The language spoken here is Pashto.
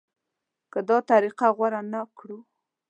که دا طریقه غوره نه کړو.